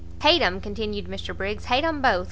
"Hate 'em," continued Mr Briggs, "hate 'em both!